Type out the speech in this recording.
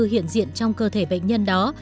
hiện diện trong cơ thể bệnh nhân đó